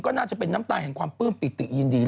ก็น่าจะเป็นน้ำตาแห่งความปลื้มปิติยินดี